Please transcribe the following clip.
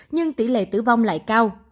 nhưng tỷ lệ tử vong lại cao